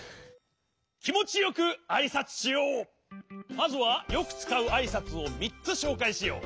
まずはよくつかうあいさつを３つしょうかいしよう。